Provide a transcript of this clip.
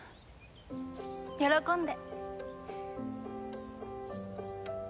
喜んで。